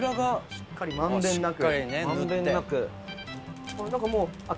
しっかり満遍なく。